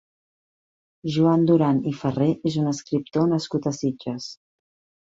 Joan Duran i Ferrer és un escriptor nascut a Sitges.